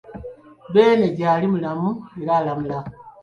Beene gyali mulamu era alamula.